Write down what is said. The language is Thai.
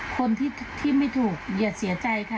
คนที่ไม่ถูกอย่าเสียใจค่ะ